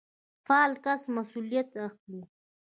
فعال کس مسوليت اخلي.